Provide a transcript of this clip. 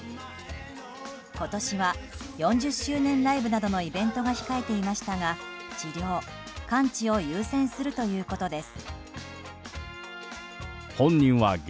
今年は４０周年ライブなどのイベントが控えていましたが治療・完治を優先するということです。